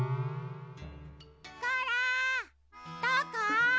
ゴラどこ？